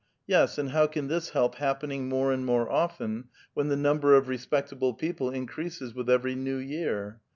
Yes, aud how can this help hap pi:uin<]^ more and more ollen wiieu tlie number of respectable people iiKMVuses witli every new year?